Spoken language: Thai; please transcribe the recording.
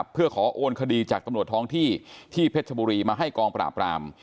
เพื่อขอโอนคดีจากตำรวจท้องที่ที่เพชรชบุรีมาให้กองปราบราม